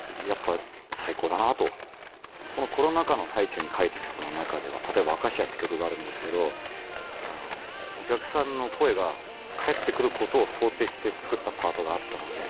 コロナ禍の最中に書いた曲の中では例えば『アカシア』っていう曲があるんですけどお客さんの声が返ってくる事を想定して作ったパートがあったので。